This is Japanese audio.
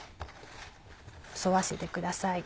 沿わせてください。